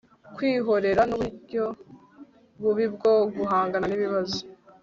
kwihorera nuburyo bubi bwo guhangana nibibazo